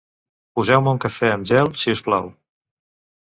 Poseu-me un cafè amb gel, si us plau.